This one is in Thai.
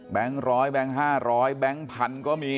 แบ่งร้อยแบ่งห้าร้อยแบ่งพันก็มี